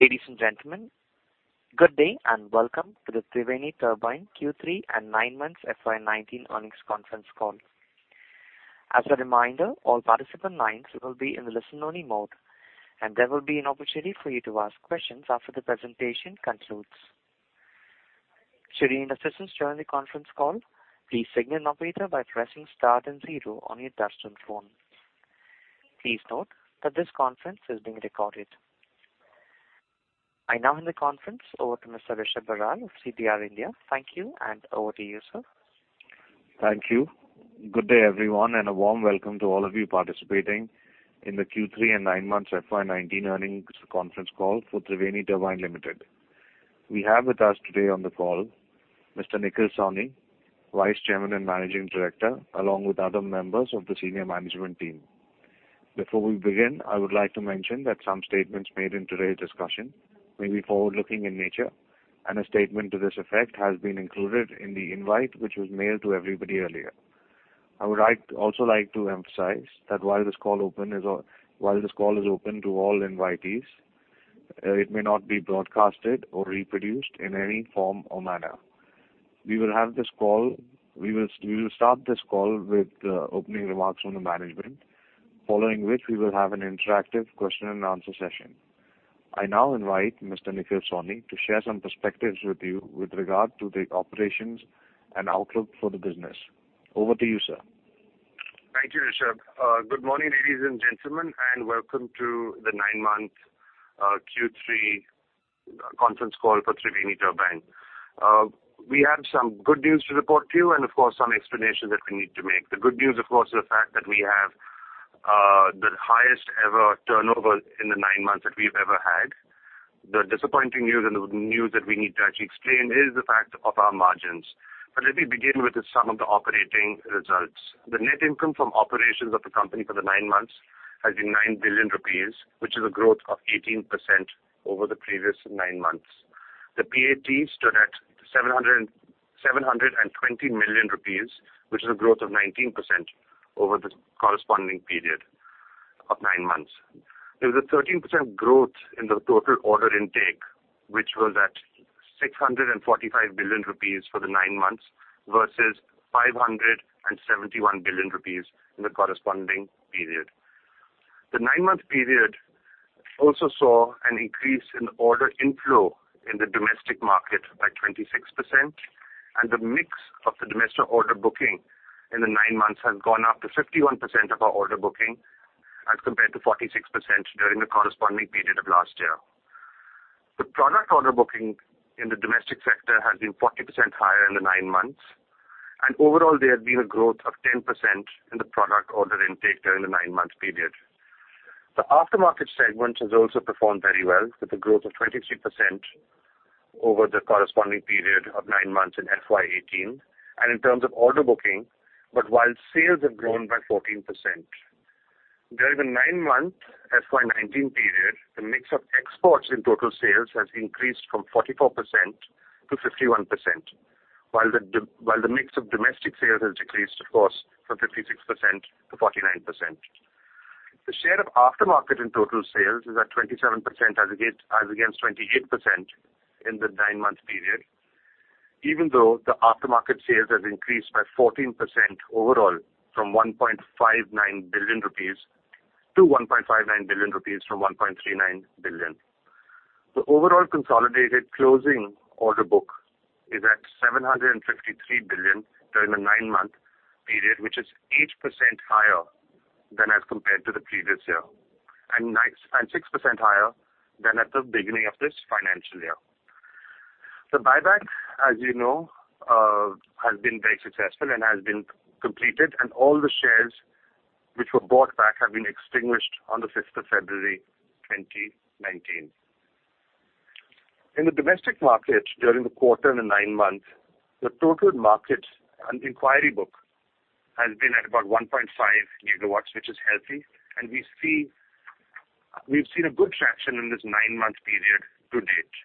Ladies and gentlemen, good day and welcome to the Triveni Turbine Q3 and nine months FY 2019 earnings conference call. As a reminder, all participant lines will be in the listen-only mode, and there will be an opportunity for you to ask questions after the presentation concludes. Should you need assistance during the conference call, please signal operator by pressing star and zero on your touch-tone phone. Please note that this conference is being recorded. I now hand the conference over to Mr. Rishab Barar of CDR India. Thank you, and over to you, sir. Thank you. Good day, everyone, a warm welcome to all of you participating in the Q3 and nine months FY 2019 earnings conference call for Triveni Turbine Limited. We have with us today on the call Mr. Nikhil Sawhney, Vice Chairman and Managing Director, along with other members of the senior management team. Before we begin, I would like to mention that some statements made in today's discussion may be forward-looking in nature, a statement to this effect has been included in the invite, which was mailed to everybody earlier. I would also like to emphasize that while this call is open to all invitees, it may not be broadcasted or reproduced in any form or manner. We will start this call with the opening remarks from the management. Following which, we will have an interactive question-and-answer session. I now invite Mr. Nikhil Sawhney to share some perspectives with you with regard to the operations and outlook for the business. Over to you, sir. Thank you, Rishab. Good morning, ladies and gentlemen, welcome to the nine-month Q3 conference call for Triveni Turbine. We have some good news to report to you, of course, some explanations that we need to make. The good news, of course, is the fact that we have the highest ever turnover in the nine months that we've ever had. The disappointing news, the news that we need to actually explain, is the fact of our margins. Let me begin with some of the operating results. The net income from operations of the company for the nine months has been 9 billion rupees, which is a growth of 18% over the previous nine months. The PAT stood at 720 million rupees, which is a growth of 19% over the corresponding period of nine months. There was a 13% growth in the total order intake, which was at 6.45 billion rupees for the nine months versus 5.71 billion rupees in the corresponding period. The nine-month period also saw an increase in the order inflow in the domestic market by 26%, and the mix of the domestic order booking in the nine months has gone up to 51% of our order booking as compared to 46% during the corresponding period of last year. The product order booking in the domestic sector has been 40% higher in the nine months, and overall, there has been a growth of 10% in the product order intake during the nine-month period. The aftermarket segment has also performed very well with a growth of 23% over the corresponding period of nine months in FY 2018. In terms of order booking, but while sales have grown by 14%. During the nine-month FY 2019 period, the mix of exports in total sales has increased from 44% to 51%, while the mix of domestic sales has decreased, of course, from 56% to 49%. The share of aftermarket in total sales is at 27% as against 28% in the nine-month period, even though the aftermarket sales has increased by 14% overall from 1.59 billion rupees to 1.59 billion rupees from 1.39 billion. The overall consolidated closing order book is at 7.53 billion during the nine-month period, which is 8% higher than as compared to the previous year. 6% higher than at the beginning of this financial year. The buyback, as you know, has been very successful and has been completed, and all the shares which were bought back have been extinguished on the 5th of February 2019. In the domestic market, during the quarter and the nine months, the total market inquiry book has been at about 1.5 GW, which is healthy, and we've seen a good traction in this nine-month period to date.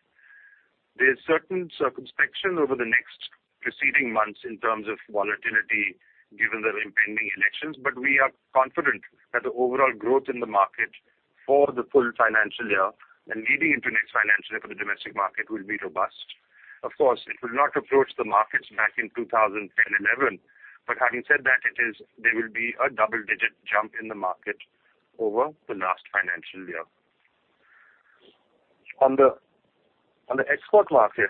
There's certain circumspection over the next preceding months in terms of volatility given the impending elections, but we are confident that the overall growth in the market for the full financial year and leading into next financial year for the domestic market will be robust. Of course, it will not approach the markets back in 2010 and 2011. Having said that, there will be a double-digit jump in the market over the last financial year. On the export market,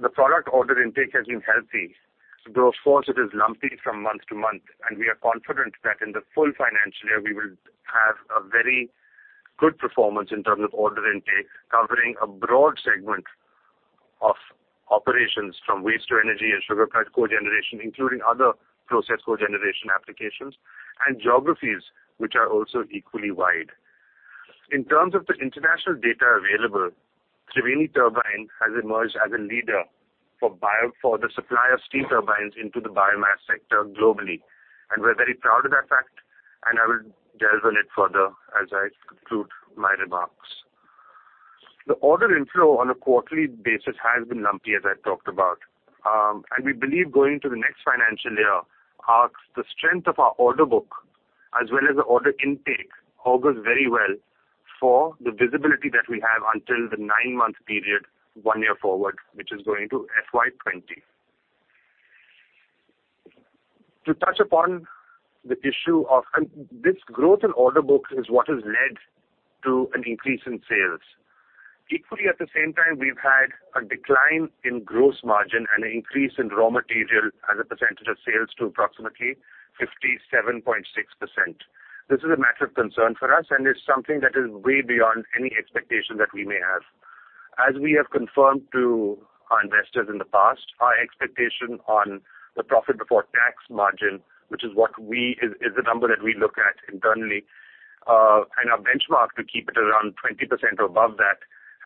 the product order intake has been healthy, though, of course, it is lumpy from month to month, and we are confident that in the full financial year, we will have a very good performance in terms of order intake, covering a broad segment of operations from waste to energy and sugar plant cogeneration, including other process cogeneration applications and geographies, which are also equally wide. In terms of the international data available, Triveni Turbine has emerged as a leader for the supply of steam turbines into the biomass sector globally. We're very proud of that fact, and I will delve on it further as I conclude my remarks. The order inflow on a quarterly basis has been lumpy, as I talked about. We believe going to the next financial year, the strength of our order book as well as the order intake augurs very well for the visibility that we have until the nine-month period, one year forward, which is going to FY 2020. This growth in order books is what has led to an increase in sales. Equally, at the same time, we've had a decline in gross margin and an increase in raw material as a percentage of sales to approximately 57.6%. This is a matter of concern for us, and is something that is way beyond any expectation that we may have. As we have confirmed to our investors in the past, our expectation on the profit before tax margin, which is the number that we look at internally, and our benchmark to keep it around 20% above that,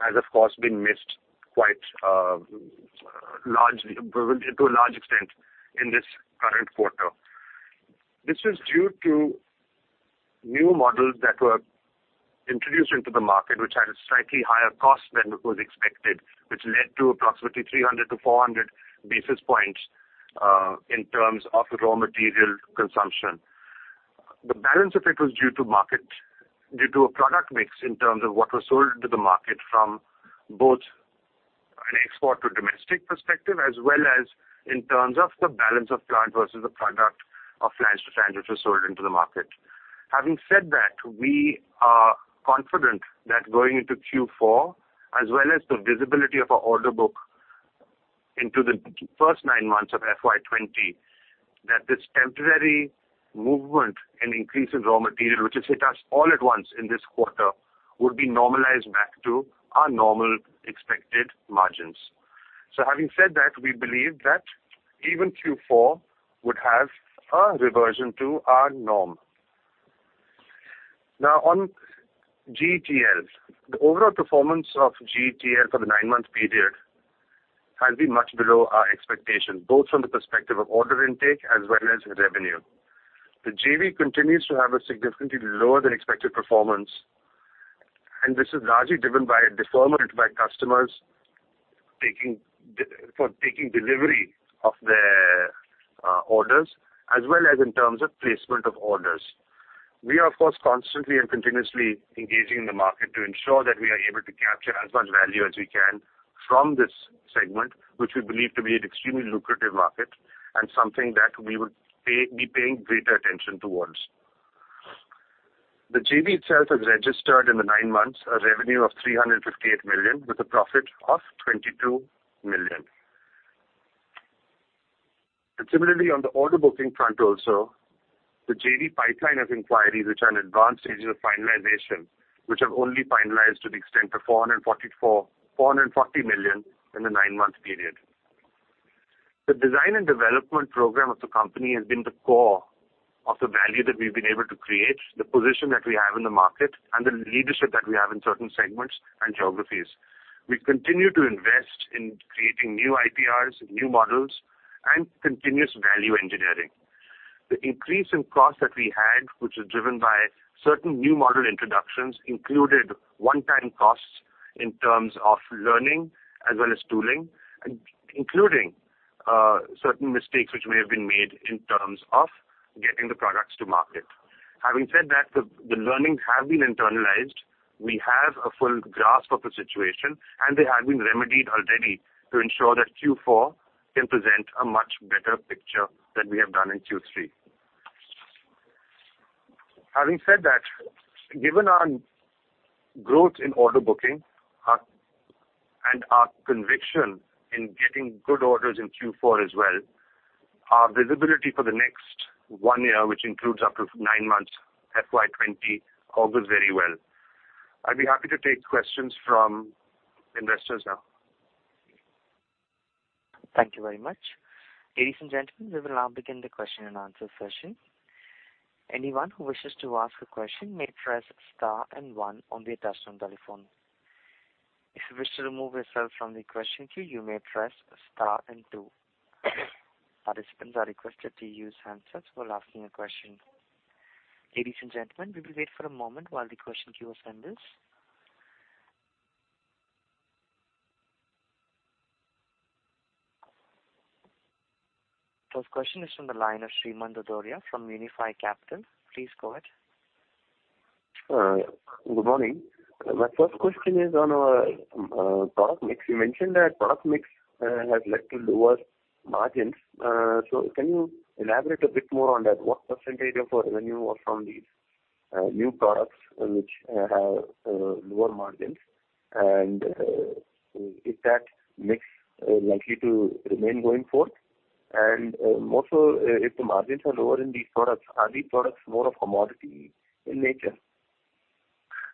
has, of course, been missed to a large extent in this current quarter. This is due to new models that were introduced into the market, which had a slightly higher cost than it was expected, which led to approximately 300-400 basis points in terms of the raw material consumption. The balance of it was due to a product mix in terms of what was sold into the market from both an export to domestic perspective, as well as in terms of the balance of plant versus the product of flange to flange, which was sold into the market. Having said that, we are confident that going into Q4, as well as the visibility of our order book into the first nine months of FY 2020, that this temporary movement and increase in raw material, which has hit us all at once in this quarter, would be normalized back to our normal expected margins. Having said that, we believe that even Q4 would have a reversion to our norm. Now, on GTL. The overall performance of GTL for the nine-month period has been much below our expectation, both from the perspective of order intake as well as revenue. The JV continues to have a significantly lower than expected performance, and this is largely driven by a deferment by customers for taking delivery of their orders, as well as in terms of placement of orders. We are, of course, constantly and continuously engaging in the market to ensure that we are able to capture as much value as we can from this segment, which we believe to be an extremely lucrative market and something that we would be paying greater attention towards. The JV itself has registered in the nine months a revenue of 358 million, with a profit of 22 million. Similarly, on the order booking front also, the JV pipeline has inquiries which are in advanced stages of finalization, which have only finalized to the extent of 440 million in the nine-month period. The design and development program of the company has been the core of the value that we've been able to create, the position that we have in the market, and the leadership that we have in certain segments and geographies. We continue to invest in creating new IPRs, new models, and continuous value engineering. The increase in costs that we had, which was driven by certain new model introductions, included one-time costs in terms of learning as well as tooling, including certain mistakes which may have been made in terms of getting the products to market. Having said that, the learnings have been internalized. We have a full grasp of the situation, and they have been remedied already to ensure that Q4 can present a much better picture than we have done in Q3. Having said that, given our growth in order booking and our conviction in getting good orders in Q4 as well, our visibility for the next one year, which includes up to nine months FY 2020, augurs very well. I'd be happy to take questions from investors now. Thank you very much. Ladies and gentlemen, we will now begin the question and answer session. Anyone who wishes to ask a question may press star and one on their touch-tone telephone. If you wish to remove yourself from the question queue, you may press star and two. Participants are requested to use handsets while asking a question. Ladies and gentlemen, we will wait for a moment while the question queue assembles. First question is from the line of Sreemant Dudhoria from Unifi Capital. Please go ahead. Good morning. My first question is on our product mix. You mentioned that product mix has led to lower margins. Can you elaborate a bit more on that? What percentage of our revenue are from these new products which have lower margins, and is that mix likely to remain going forth? More so, if the margins are lower in these products, are these products more of commodity in nature?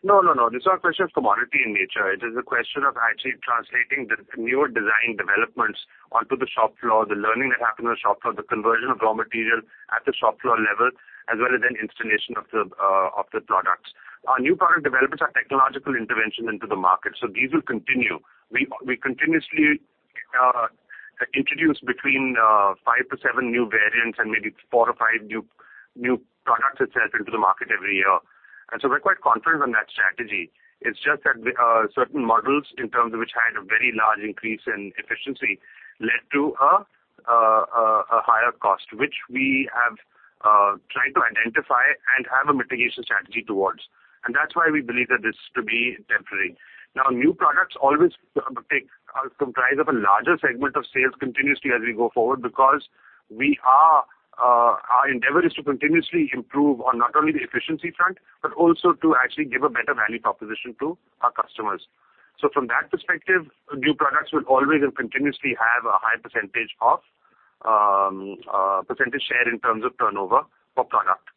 No. It's not a question of commodity in nature. It is a question of actually translating the newer design developments onto the shop floor, the learning that happened on the shop floor, the conversion of raw material at the shop floor level, as well as then installation of the products. Our new product developments are technological intervention into the market, so these will continue. We continuously introduce between five to seven new variants and maybe four or five new products itself into the market every year. So we're quite confident on that strategy. It's just that certain models, in terms of which had a very large increase in efficiency, led to a higher cost, which we have tried to identify and have a mitigation strategy towards. That's why we believe that this to be temporary. New products always comprise of a larger segment of sales continuously as we go forward because our endeavor is to continuously improve on not only the efficiency front, but also to actually give a better value proposition to our customers. From that perspective, new products will always and continuously have a high percentage of share in terms of turnover for product.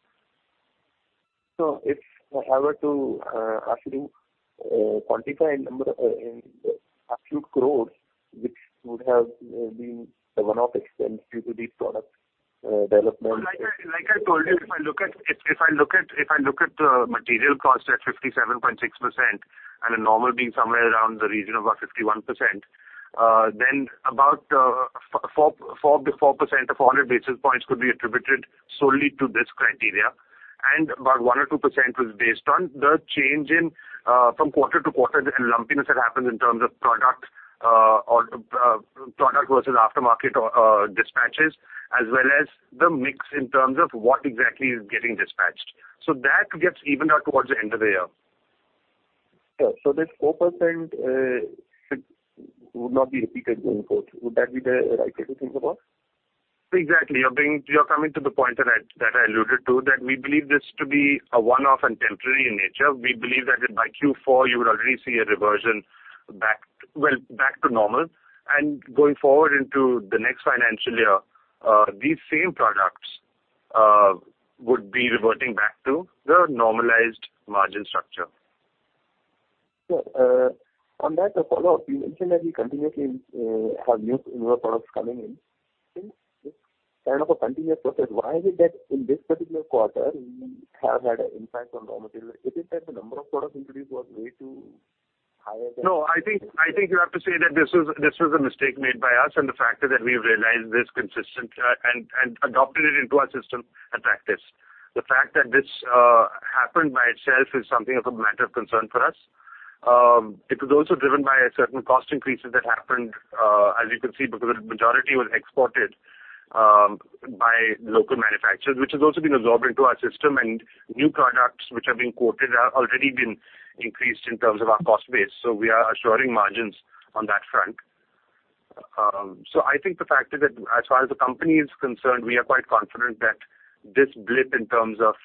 If I were to ask you to quantify in absolute crores, which would have been a one-off expense due to these product developments. Like I told you, if I look at the material cost at 57.6% and a normal being somewhere around the region of about 51%, then about 4% to 400 basis points could be attributed solely to this criteria. About 1% or 2% was based on the change in from quarter to quarter, the lumpiness that happens in terms of product versus aftermarket dispatches, as well as the mix in terms of what exactly is getting dispatched. That gets evened out towards the end of the year. Sure. This 4% would not be repeated going forward. Would that be the right way to think about? Exactly. You are coming to the point that I alluded to, that we believe this to be a one-off and temporary in nature. We believe that by Q4, you would already see a reversion back to normal, and going forward into the next financial year, these same products would be reverting back to the normalized margin structure. Sure. On that, a follow-up. You mentioned that you continuously have newer products coming in. It is kind of a continuous process. Why is it that in this particular quarter, we have had an impact on raw material? Is it that the number of products introduced was way too high than- No, I think you have to say that this was a mistake made by us, and the fact that we have realized this consistently and adopted it into our system and practice. The fact that this happened by itself is something of a matter of concern for us. It was also driven by certain cost increases that happened, as you can see, because the majority was exported by local manufacturers, which has also been absorbed into our system, and new products which have been quoted have already been increased in terms of our cost base. We are assuring margins on that front. I think the fact that as far as the company is concerned, we are quite confident that this blip in terms of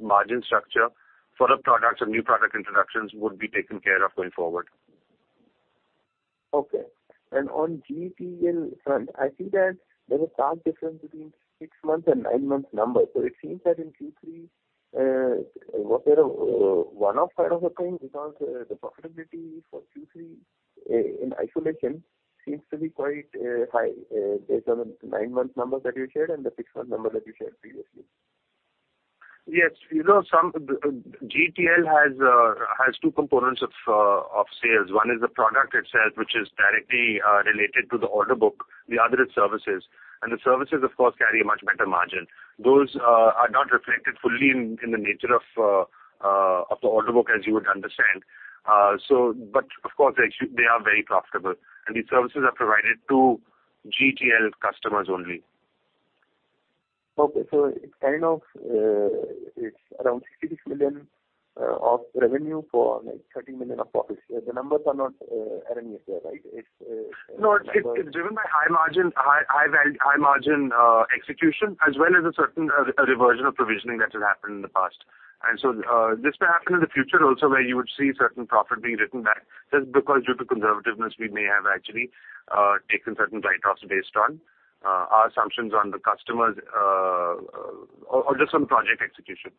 margin structure for the products and new product introductions would be taken care of going forward. Okay. On GTL front, I see that there is a stark difference between six-month and nine-month numbers. It seems that in Q3, was there a one-off kind of a thing? Because the profitability for Q3 in isolation seems to be quite high based on the nine-month numbers that you shared and the six-month number that you shared previously. Yes. GTL has two components of sales. One is the product itself, which is directly related to the order book. The other is services. The services, of course, carry a much better margin. Those are not reflected fully in the nature of the order book, as you would understand. Of course, they are very profitable, and these services are provided to GTL customers only. Okay. It's around 66 million of revenue for 13 million of profits. The numbers are not errant here, right? No, it's driven by high margin execution, as well as a certain reversion of provisioning that has happened in the past. This may happen in the future also, where you would see certain profit being written back just because due to conservativeness, we may have actually taken certain write-offs based on our assumptions on the customers or just on project execution.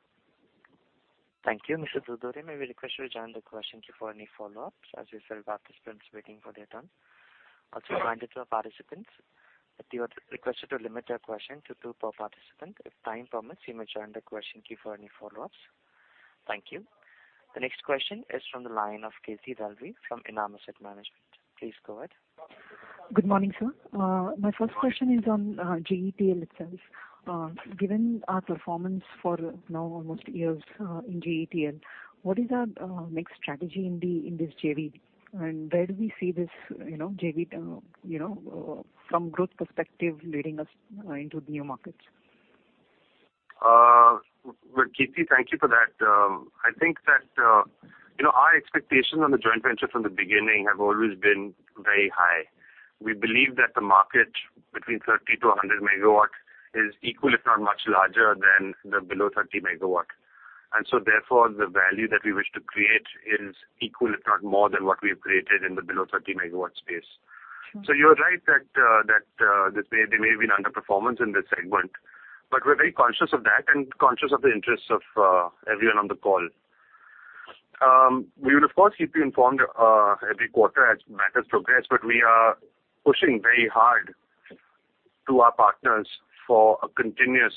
Thank you. Mr. Dudhoria, may we request you to join the question queue for any follow-ups, as you several participants waiting for their turn. Also a reminder to our participants that you are requested to limit your question to two per participant. If time permits, you may join the question queue for any follow-ups. Thank you. The next question is from the line of Kirti Dalvi from Enam Asset Management. Please go ahead. Good morning, sir. My first question is on GTL itself. Given our performance for now almost years in GTL, what is our next strategy in this JV? Where do we see this JV from growth perspective leading us into new markets? Well, Kirti, thank you for that. I think that our expectations on the joint venture from the beginning have always been very high. We believe that the market between 30-100 MW is equal, if not much larger, than the below 30 MW. Therefore, the value that we wish to create is equal, if not more, than what we've created in the below 30 MW space. Sure. You're right that there may have been underperformance in this segment, but we're very conscious of that and conscious of the interests of everyone on the call. We would, of course, keep you informed every quarter as matters progress, but we are pushing very hard to our partners for a continuous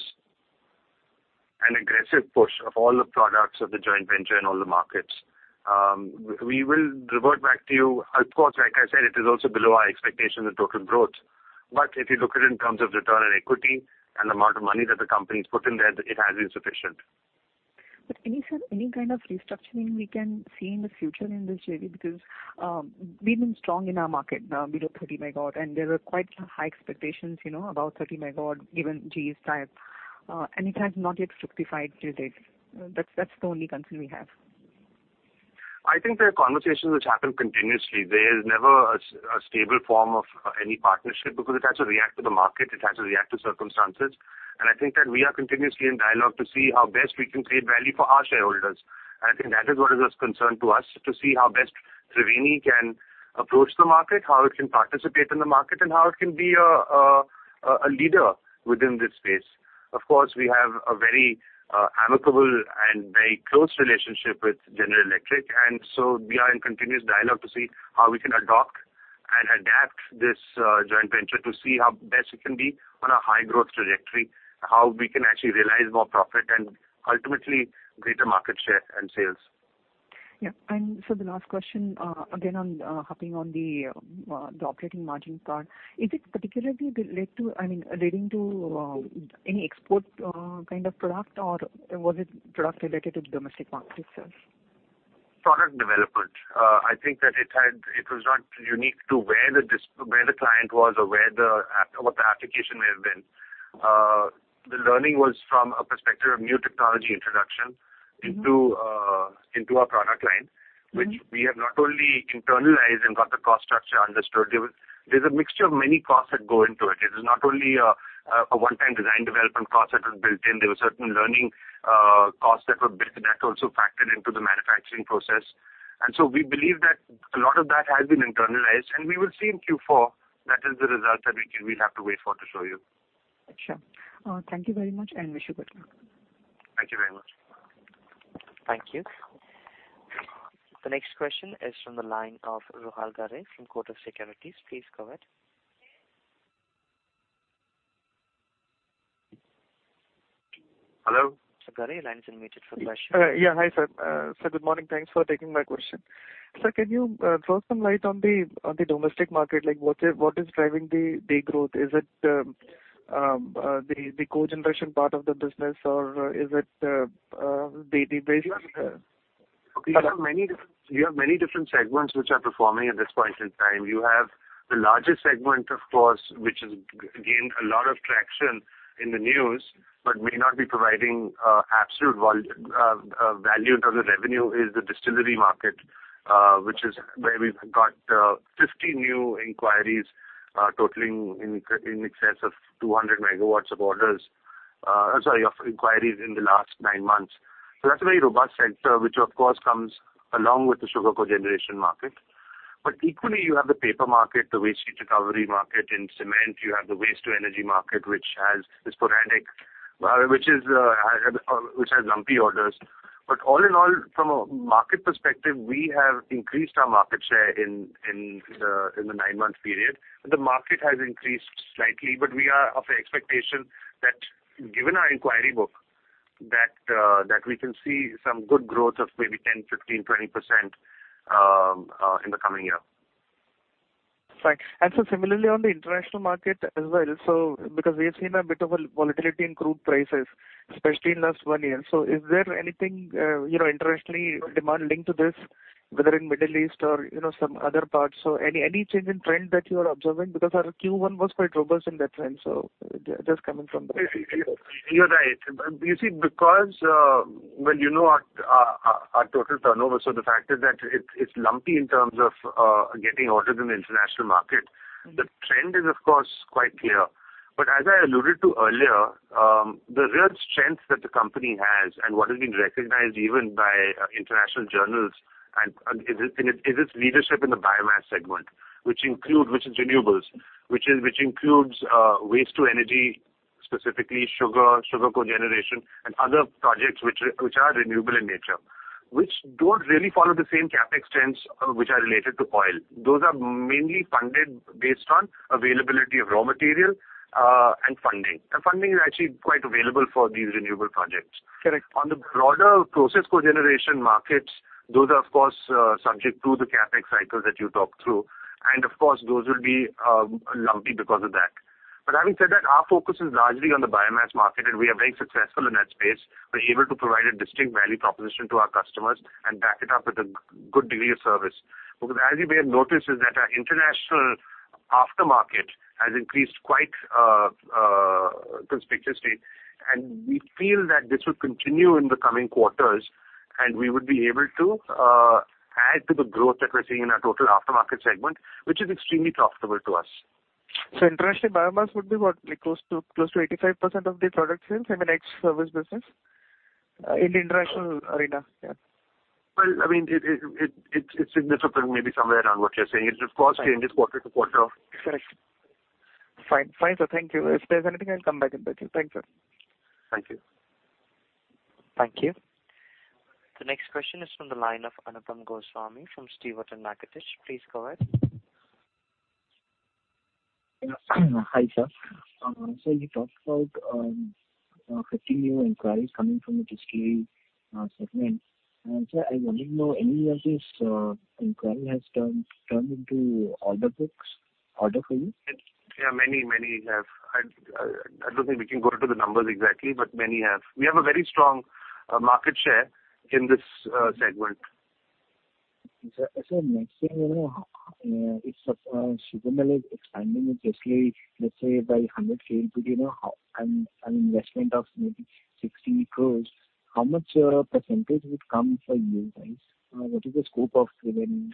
and aggressive push of all the products of the joint venture in all the markets. We will revert back to you. Of course, like I said, it is also below our expectation, the total growth. If you look at it in terms of return on equity and the amount of money that the company's put in there, it has been sufficient. Any kind of restructuring we can see in the future in this, maybe because we've been strong in our market now below 30 MW, and there are quite high expectations about 30 MW given GE's tie-up, and it has not yet fructified to date. That's the only concern we have. I think there are conversations which happen continuously. There is never a stable form of any partnership because it has to react to the market, it has to react to circumstances. I think that we are continuously in dialogue to see how best we can create value for our shareholders. I think that is what is of concern to us, to see how best Triveni can approach the market, how it can participate in the market, and how it can be a leader within this space. Of course, we have a very amicable and very close relationship with General Electric. We are in continuous dialogue to see how we can adopt and adapt this joint venture to see how best it can be on a high growth trajectory, how we can actually realize more profit, and ultimately greater market share and sales. Yeah. The last question, again on harping on the operating margin part, is it particularly relating to any export kind of product, or was it product related to the domestic market itself? Product development. I think that it was not unique to where the client was or what the application may have been. The learning was from a perspective of new technology introduction into our product line, which we have not only internalized and got the cost structure understood. There's a mixture of many costs that go into it. It is not only a one-time design development cost that was built in. There were certain learning costs that were built in that also factored into the manufacturing process. We believe that a lot of that has been internalized, and we will see in Q4 that is the result that we'll have to wait for to show you. Got you. Thank you very much. Wish you good luck. Thank you very much. Thank you. The next question is from the line of Rahul Garol from Kotak Securities. Please go ahead. Hello? Mr. Garol, your line is unmuted for the question. Yeah. Hi, sir. Sir, good morning. Thanks for taking my question. Sir, can you throw some light on the domestic market? What is driving the growth? Is it the cogeneration part of the business or is it the basic- You have many different segments which are performing at this point in time. You have the largest segment, of course, which has gained a lot of traction in the news, but may not be providing absolute value in terms of revenue, is the distillery market, which is where we've got 50 new inquiries totaling in excess of 200 MW of orders. I'm sorry, of inquiries in the last nine months. That's a very robust sector, which of course, comes along with the sugar cogeneration market. Equally, you have the paper market, the waste heat recovery market in cement. You have the waste to energy market, which has lumpy orders. All in all, from a market perspective, we have increased our market share in the nine-month period. The market has increased slightly, but we are of the expectation that given our inquiry book, that we can see some good growth of maybe 10%, 15%, 20% in the coming year. Right. Similarly on the international market as well, because we have seen a bit of a volatility in crude prices, especially in the last one year. Is there anything internationally demand linked to this, whether in Middle East or some other parts? Any change in trend that you are observing? Our Q1 was quite robust in that trend, just coming from that. You're right. You see, when you know our total turnover, the fact is that it's lumpy in terms of getting orders in the international market. The trend is of course quite clear. As I alluded to earlier, the real strength that the company has, and what has been recognized even by international journals is its leadership in the biomass segment, which includes renewables. Which includes waste to energy, specifically sugar cogeneration, and other projects which are renewable in nature. Which don't really follow the same CapEx trends which are related to oil. Those are mainly funded based on availability of raw material and funding. Funding is actually quite available for these renewable projects. Correct. On the broader process cogeneration markets, those are of course subject to the CapEx cycles that you talked through. Of course, those will be lumpy because of that. Having said that, our focus is largely on the biomass market, and we are very successful in that space. We're able to provide a distinct value proposition to our customers and back it up with a good degree of service. As you may have noticed, is that our international aftermarket has increased quite conspicuously, and we feel that this will continue in the coming quarters and we would be able to add to the growth that we're seeing in our total aftermarket segment, which is extremely profitable to us. International biomass would be what? Close to 85% of the product sales and the service business in the international arena. It's in the region of maybe somewhere around what you're saying. It just changes quarter-to-quarter. Correct. Fine, sir. Thank you. If there's anything, I'll come back with you. Thank you, sir. Thank you. Thank you. The next question is from the line of Anupam Goswami from Stewart & Mackertich. Please go ahead. Hi, sir. Sir, you talked about 50 new inquiries coming from the distillery segment. Sir, I want to know, any of these inquiry has turned into order books, order for you? Yeah, many have. I don't think we can go into the numbers exactly, but many have. We have a very strong market share in this segment. Sir, next thing, if a sugar mill is expanding, let's say by 100 KLPD, an investment of maybe 60 crores, how much percentage would come for you guys? What is the scope of revenue?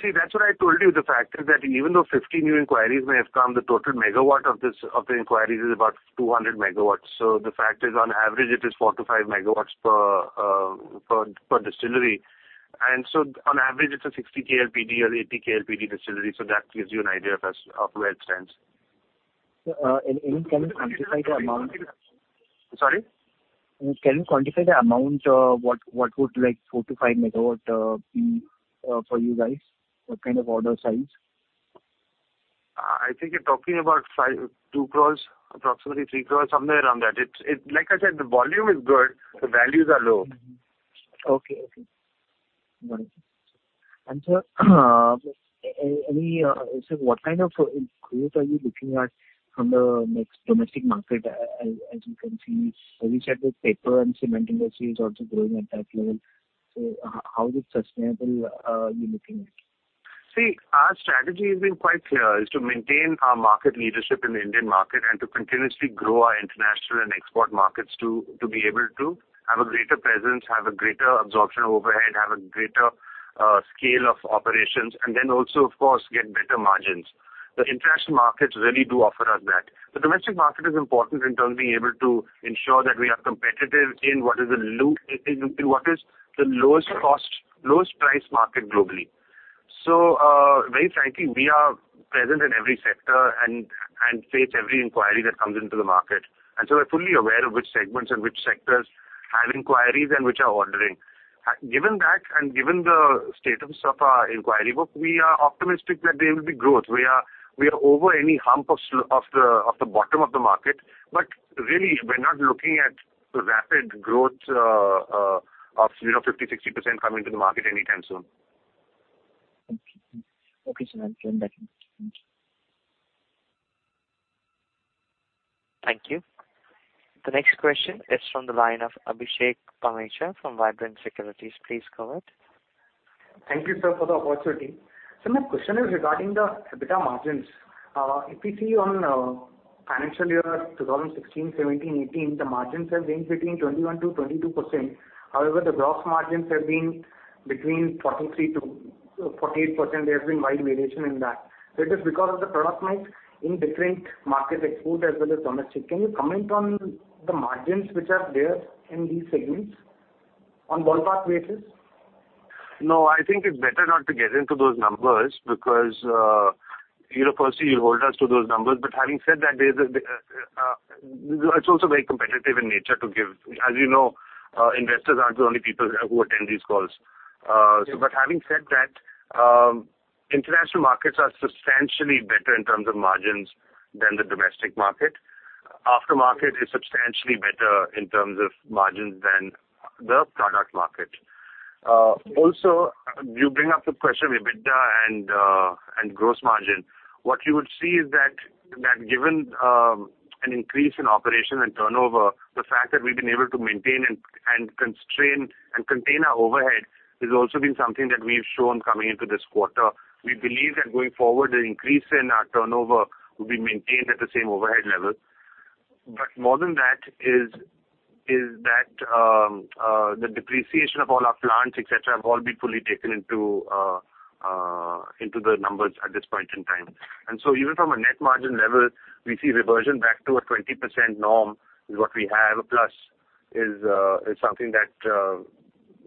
See, that's what I told you. The fact is that even though 50 new inquiries may have come, the total megawatt of the inquiries is about 200 MW. The fact is, on average it is 4-5 MW per distillery. On average it's a 60 KLPD or 80 KLPD distillery, so that gives you an idea of where it stands. Sir, can you quantify the amount? Sorry? Can you quantify the amount, what would 4-5 MW be for you guys? What kind of order size? I think you're talking about 5 crore, 2 crore, approximately 3 crore, somewhere around that. Like I said, the volume is good, the values are low. Okay. Sir, what kind of growth are you looking at from the next domestic market? As you can see, as we said, the paper and cement industry is also growing at that level. How is it sustainable you're looking at? See, our strategy has been quite clear. It's to maintain our market leadership in the Indian market and to continuously grow our international and export markets to be able to have a greater presence, have a greater absorption of overhead, have a greater scale of operations, and then also, of course, get better margins. The international markets really do offer us that. The domestic market is important in terms of being able to ensure that we are competitive in what is the lowest price market globally. Very frankly, we are present in every sector and face every inquiry that comes into the market. We're fully aware of which segments and which sectors have inquiries and which are ordering. Given that, and given the status of our inquiry book, we are optimistic that there will be growth. We are over any hump of the bottom of the market. Really, we're not looking at rapid growth of 50%-60% coming to the market anytime soon. Okay, sir. I understand better. Thank you. Thank you. The next question is from the line of Abhishek Pamecha from Vibrant Securities. Please go ahead. Thank you, sir, for the opportunity. Sir, my question is regarding the EBITDA margins. If we see on financial year 2016, 2017, 2018, the margins have been between 21%-22%. However, the gross margins have been between 43%-48%. There has been wide variation in that. That is because of the product mix in different markets, export as well as domestic. Can you comment on the margins which are there in these segments on ballpark basis? No, I think it's better not to get into those numbers because firstly, you'll hold us to those numbers. Having said that, it's also very competitive in nature to give. As you know, investors aren't the only people who attend these calls. Having said that, international markets are substantially better in terms of margins than the domestic market. Aftermarket is substantially better in terms of margins than the product market. Also, you bring up the question of EBITDA and gross margin. What you would see is that given an increase in operation and turnover, the fact that we've been able to maintain and constrain and contain our overhead has also been something that we've shown coming into this quarter. We believe that going forward, the increase in our turnover will be maintained at the same overhead level. More than that is that the depreciation of all our plants, et cetera, have all been fully taken into the numbers at this point in time. Even from a net margin level, we see reversion back to a 20% norm is what we have. A plus is something that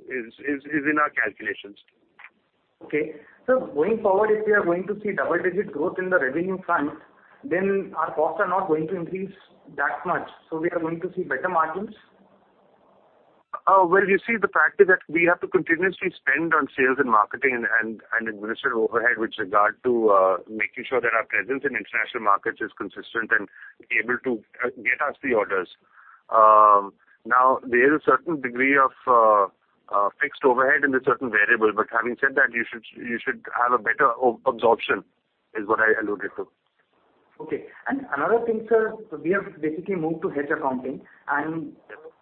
is in our calculations. Okay. Sir, going forward, if we are going to see double-digit growth in the revenue front, our costs are not going to increase that much. We are going to see better margins? Well, you see, the fact is that we have to continuously spend on sales and marketing and administrative overhead with regard to making sure that our presence in international markets is consistent and able to get us the orders. Now, there's a certain degree of fixed overhead and a certain variable, having said that, you should have a better absorption, is what I alluded to. Okay. Another thing, sir. We have basically moved to hedge accounting, and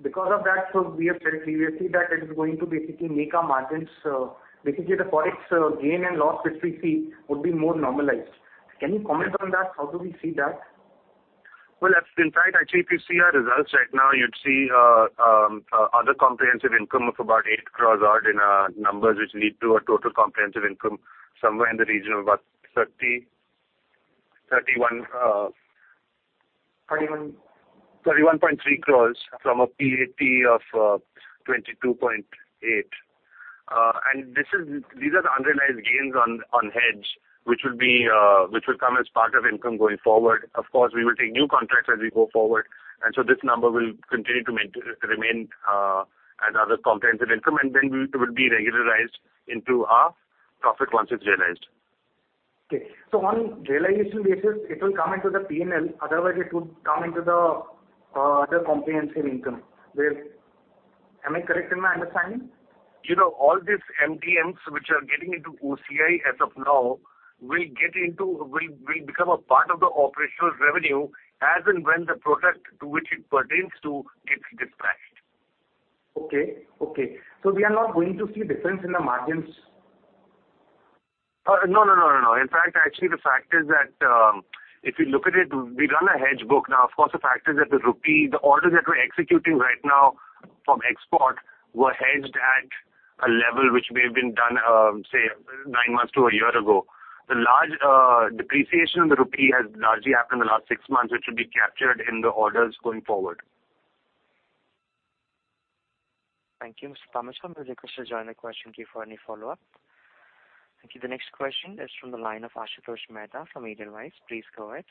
because of that, we have said previously that it is going to basically make our margins, basically the Forex gain and loss which we see would be more normalized. Can you comment on that? How do we see that? Well, in fact, actually, if you see our results right now, you'd see other comprehensive income of about eight crores odd in our numbers, which lead to a total comprehensive income somewhere in the region of about 30, 31- 31. 31.3 crores from a PAT of 22.8. These are the unrealized gains on hedge, which will come as part of income going forward. Of course, we will take new contracts as we go forward, this number will continue to remain as other comprehensive income, then will be regularized into our profit once it's realized. Okay. On realization basis, it will come into the P&L, otherwise it would come into the other comprehensive income. Am I correct in my understanding? All these MTM which are getting into OCI as of now will become a part of the operational revenue as and when the product to which it pertains to gets dispatched. Okay. We are not going to see difference in the margins? No. In fact, actually the fact is that, if you look at it, we run a hedge book. Of course, the fact is that the rupee, the orders that we're executing right now from export were hedged at a level which may have been done, say nine months to a year ago. The large depreciation of the rupee has largely happened in the last six months, which will be captured in the orders going forward. Thank you, Mr. Pamecha. I'm going to request the joiner question queue for any follow-up. Thank you. The next question is from the line of Ashutosh Mehta from Edelweiss. Please go ahead.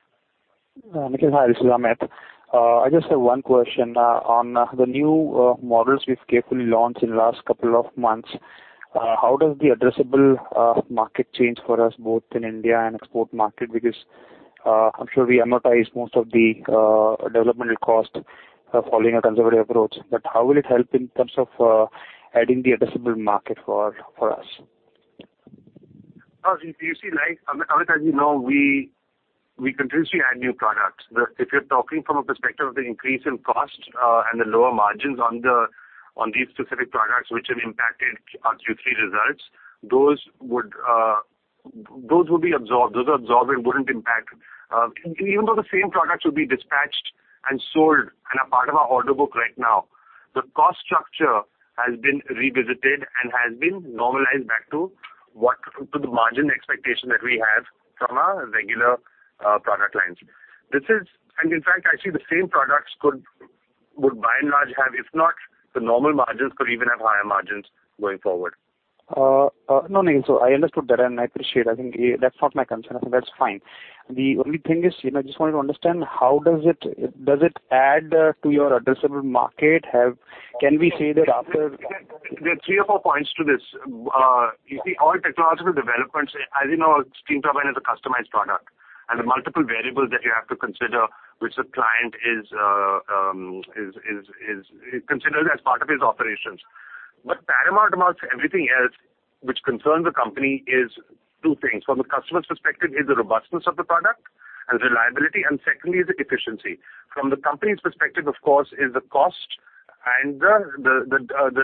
Nikhil, hi, this is Amit. I just have one question. On the new models which carefully launched in last couple of months, how does the addressable market change for us both in India and export market? I'm sure we amortize most of the developmental cost of following a conservative approach. How will it help in terms of adding the addressable market for us? Amit, as you know, we continuously add new products. If you're talking from a perspective of the increase in cost and the lower margins on these specific products which have impacted our Q3 results, those would be absorbed. Those are absorbed and wouldn't impact. Even though the same products will be dispatched and sold and are part of our order book right now, the cost structure has been revisited and has been normalized back to the margin expectation that we have from our regular product lines. In fact, actually the same products would by and large have, if not the normal margins could even have higher margins going forward. No, Nikhil. I understood that and I appreciate. I think that's not my concern. I think that's fine. The only thing is, I just wanted to understand how does it add to your addressable market? There are three or four points to this. You see all technological developments, as you know, steam turbine is a customized product and the multiple variables that you have to consider, which the client considers as part of his operations. Paramount amongst everything else which concerns the company is two things. From the customer's perspective is the robustness of the product and reliability, and secondly, is efficiency. From the company's perspective, of course, is the cost and the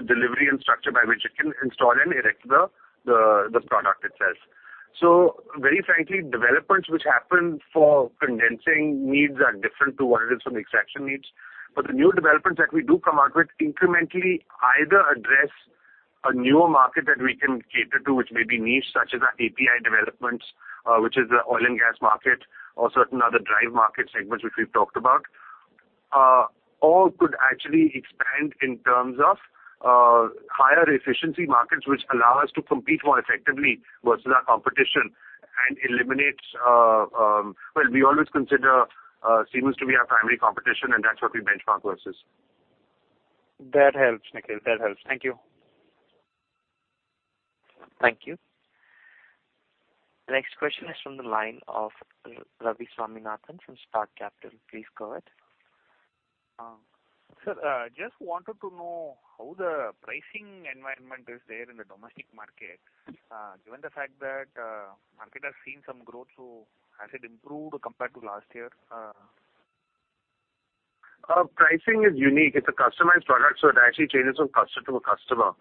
delivery and structure by which it can install and erect the product itself. Very frankly, developments which happen for condensing needs are different to what it is from the extraction needs. The new developments that we do come out with incrementally either address a newer market that we can cater to, which may be niche, such as our API developments, which is the oil and gas market or certain other drive market segments which we've talked about, or could actually expand in terms of higher efficiency markets, which allow us to compete more effectively versus our competition. Well, we always consider Siemens to be our primary competition, and that's what we benchmark versus. That helps, Nikhil. Thank you. Thank you. Next question is from the line of Ravi Swaminathan from Spark Capital. Please go ahead. Sir, just wanted to know how the pricing environment is there in the domestic market, given the fact that market has seen some growth. Has it improved compared to last year? Pricing is unique. It's a customized product, so it actually changes from customer to customer.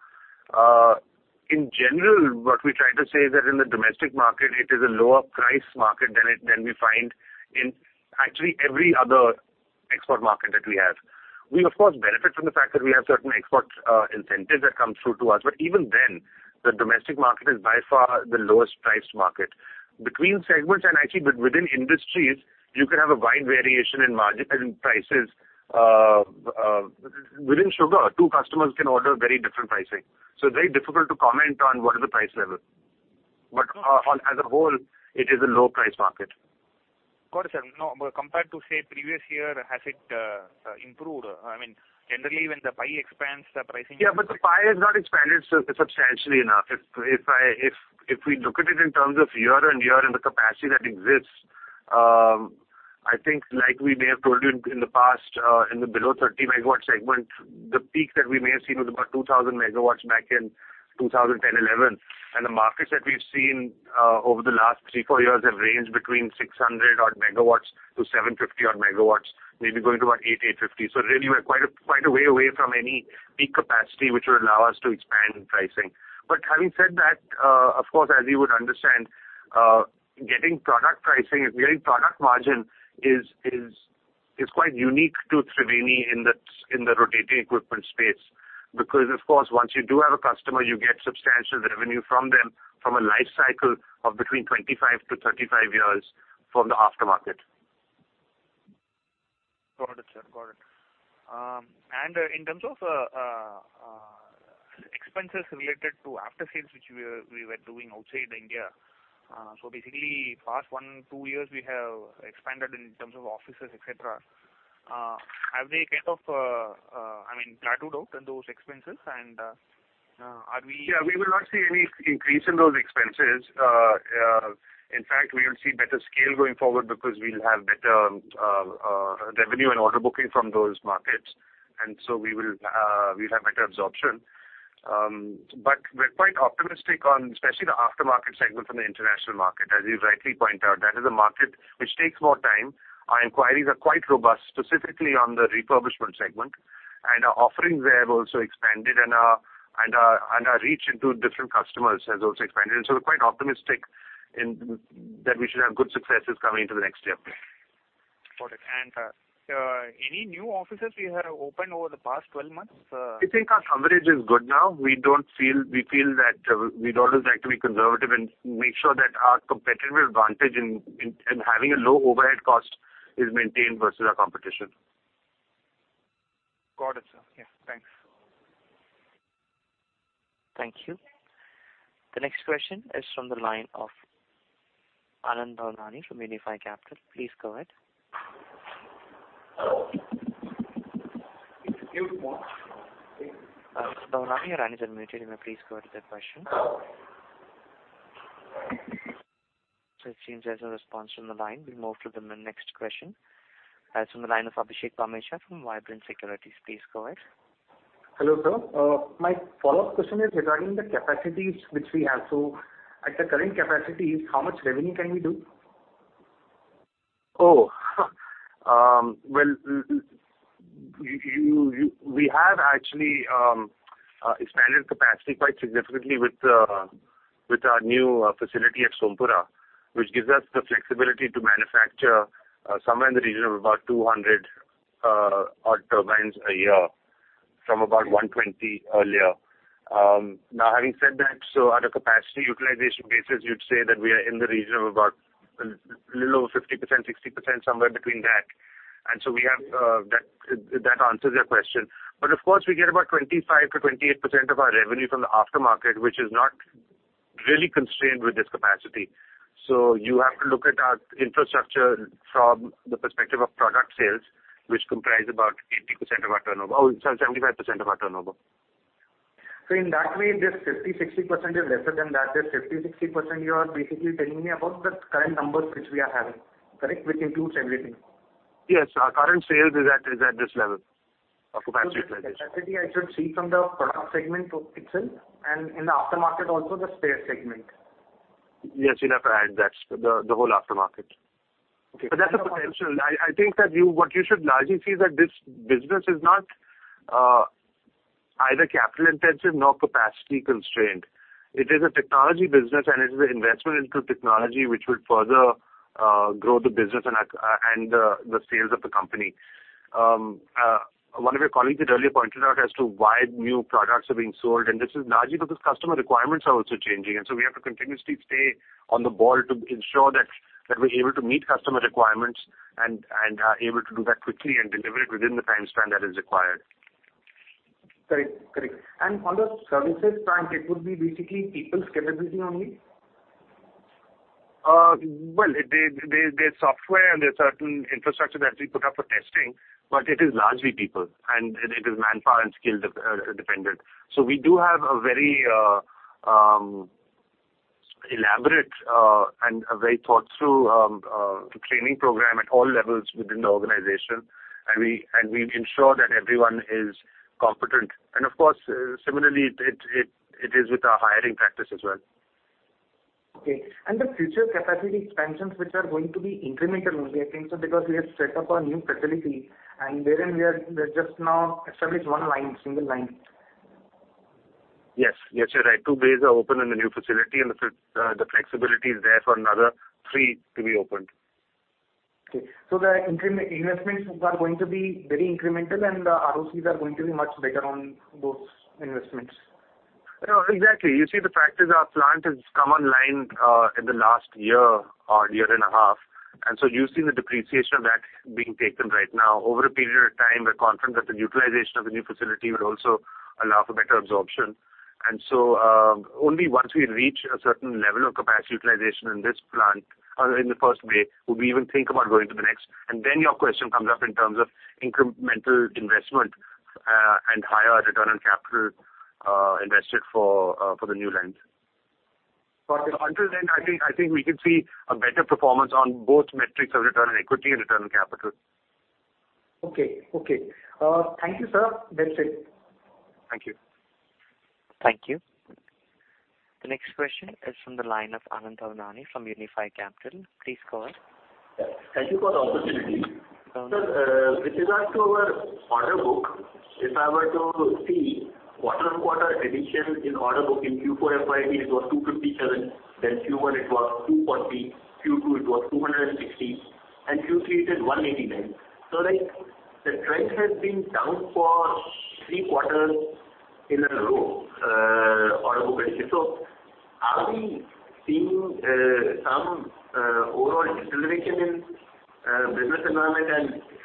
In general, what we try to say is that in the domestic market, it is a lower price market than we find in actually every other export market that we have. We, of course, benefit from the fact that we have certain export incentives that come through to us. Even then, the domestic market is by far the lowest priced market. Between segments and actually within industries, you could have a wide variation in margin and prices. Within sugar, two customers can order very different pricing. Very difficult to comment on what is the price level. As a whole, it is a low price market. Got it, sir. Compared to, say, previous year, has it improved? The pie has not expanded substantially enough. If we look at it in terms of year-on-year and the capacity that exists, I think like we may have told you in the past, in the below 30 MW segment, the peak that we may have seen was about 2,000 MW back in 2010, 2011. The markets that we've seen over the last three, four years have ranged between 600-odd MW to 750-odd MW, maybe going to about 800-850 MW. Really, we're quite a way away from any peak capacity which will allow us to expand pricing. Having said that, of course, as you would understand, getting product margin is quite unique to Triveni in the rotating equipment space. Of course, once you do have a customer, you get substantial revenue from them from a life cycle of between 25-35 years from the aftermarket. Got it, sir. In terms of expenses related to after sales, which we were doing outside India. Basically, past one, two years we have expanded in terms of offices, et cetera. Have they plateaued out in those expenses, and are we? We will not see any increase in those expenses. In fact, we'll see better scale going forward because we'll have better revenue and order booking from those markets. We will have better absorption. We're quite optimistic on, especially the aftermarket segment from the international market. As you rightly point out, that is a market which takes more time. Our inquiries are quite robust, specifically on the refurbishment segment, and our offerings there have also expanded, and our reach into different customers has also expanded. We're quite optimistic that we should have good successes coming into the next year. Got it. Any new offices we have opened over the past 12 months? We think our coverage is good now. We feel that we'd always like to be conservative and make sure that our competitive advantage in having a low overhead cost is maintained versus our competition. Got it, sir. Yes, thanks. Thank you. The next question is from the line of Anand Bhavnani from Unifi Capital. Please go ahead. Mr. Bhavnani, your line is unmuted. You may please go ahead with your question. It seems there's no response from the line. We'll move to the next question, as from the line of Abhishek Pamecha from Vibrant Securities. Please go ahead. Hello, sir. My follow-up question is regarding the capacities which we have. At the current capacities, how much revenue can we do? Well, we have actually expanded capacity quite significantly with our new facility at Sompura, which gives us the flexibility to manufacture somewhere in the region of about 200 odd turbines a year from about 120 earlier. Having said that, at a capacity utilization basis, you'd say that we are in the region of about a little over 50%-60%, somewhere between that. That answers your question. Of course, we get about 25%-28% of our revenue from the aftermarket, which is not really constrained with this capacity. You have to look at our infrastructure from the perspective of product sales, which comprise about 80% of our turnover. I'm sorry, 75% of our turnover. In that way, this 50%-60% is lesser than that. This 50%-60%, you are basically telling me about the current numbers which we are having. Correct? Which includes everything. Yes. Our current sales is at this level of capacity. This capacity I should see from the product segment itself, and in the aftermarket also, the spare segment. Yes, you'll have to add that. The whole aftermarket. Okay. That's a potential. I think that what you should largely see is that this business is not either capital intensive nor capacity constrained. It is a technology business. It is an investment into technology which would further grow the business and the sales of the company. One of your colleagues had earlier pointed out as to why new products are being sold. This is largely because customer requirements are also changing. We have to continuously stay on the ball to ensure that we're able to meet customer requirements and are able to do that quickly and deliver it within the time frame that is required. Correct. On the services front, it would be basically people's capability only? Well, there's software and there's certain infrastructure that we put up for testing. It is largely people. It is manpower and skill dependent. We do have a very elaborate and a very thought through training program at all levels within the organization. We ensure that everyone is competent. Of course, similarly, it is with our hiring practice as well. Okay. The future capacity expansions, which are going to be incremental only, I think so because we have set up a new facility, and wherein we have just now established one line, single line. Yes. You're right. Two bays are open in the new facility. The flexibility is there for another three to be opened. Okay. The investments are going to be very incremental. The RoCs are going to be much better on those investments. Exactly. You see, the fact is our plant has come online in the last year or year and a half. You've seen the depreciation of that being taken right now. Over a period of time, we're confident that the utilization of the new facility will also allow for better absorption. Only once we reach a certain level of capacity utilization in this plant, in the first bay, would we even think about going to the next. Your question comes up in terms of incremental investment and higher return on capital invested for the new lens. Got it. Until then, I think we could see a better performance on both metrics of return on equity and return on capital. Okay. Thank you, sir. That's it. Thank you. Thank you. The next question is from the line of Anand Bhavnani from Unifi Capital. Please go ahead. Thank you for the opportunity. Sir, with regards to our order book, if I were to see quarter-on-quarter addition in order book in Q4 FY, it was 257, Q1 it was 240, Q2 it was 260, and Q3 it is 189. Like, the trend has been down for three quarters in a row, order book. Are we seeing some overall deceleration in business environment,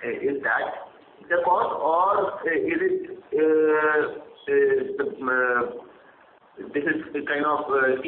and The cost or this is kind of.